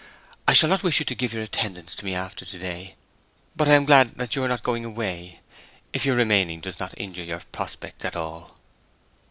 I shall not wish you to give your attendance to me after to day. But I am glad that you are not going away—if your remaining does not injure your prospects at all."